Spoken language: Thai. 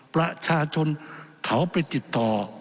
ประชาชนเขาไปติดต่อ